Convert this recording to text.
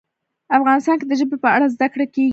افغانستان کې د ژبې په اړه زده کړه کېږي.